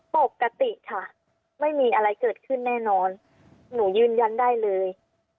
ปกติค่ะไม่มีอะไรเกิดขึ้นแน่นอนหนูยืนยันได้เลย